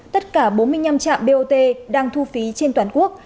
tất cả bốn mươi năm trạm bot đang thu phí trên toàn quốc